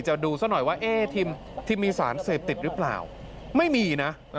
ดูซะหน่อยว่าทีมมีสารเสพติดหรือเปล่าไม่มีนะ